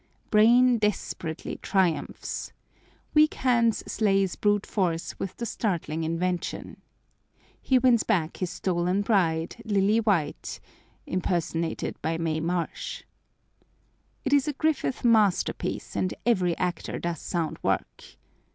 Brain desperately triumphs. Weak Hands slays Brute Force with the startling invention. He wins back his stolen bride, Lily White (impersonated by Mae Marsh). It is a Griffith masterpiece, and every actor does sound work.